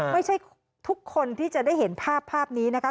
ไม่ใช่ทุกคนที่จะได้เห็นภาพภาพนี้นะคะ